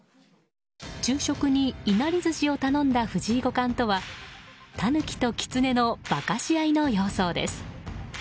昼食に、いなり寿司を頼んだ藤井五冠とはタヌキとキツネの化かし合いの様相です。